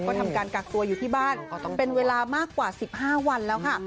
ก็ทำการกักตัวอยู่ที่บ้านเป็นเวลามากกว่า๑๕วันแล้วค่ะ